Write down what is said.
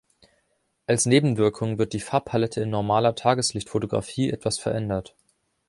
Als Nebenwirkung wird die Farbpalette in normaler Tageslichtphotographie etwas verändert.